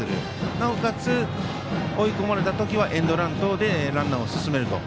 なおかつ、追い込まれた時はエンドラン等でランナーを進めると。